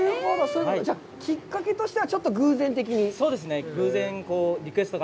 きっかけとしては、ちょっと偶然的に？